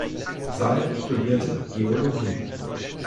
Sall studierte Geologie.